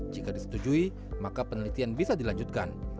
jika disetujui maka penelitian bisa dilanjutkan